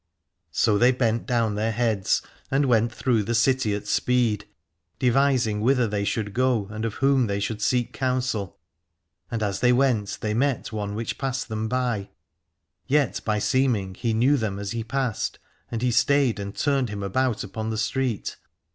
332 Aladore So they bent down their heads and went through the city at speed, devising whither they should go and of whom they should seek counsel. And as they went they met one which passed them by : yet by seeming he knew them as he passed, and he stayed and turned him about upon the street.